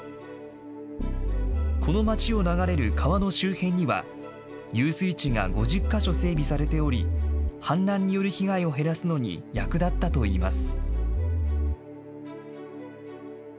この町を流れる川の周辺には、遊水池が５０か所整備されており、氾濫による被害を減らすのに役立ったといいます。